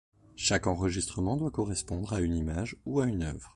Chaque enregistrement doit correspondre à une image ou à une œuvre.